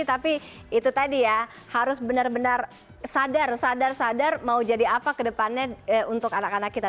tapi itu tadi ya harus benar benar sadar sadar sadar mau jadi apa kedepannya untuk anak anak kita